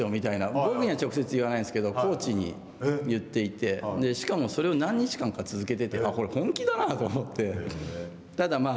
僕には直接言わないですけれどもコーチに言っていて、しかも、それを何日間か続けててこれ、本気だなと思って。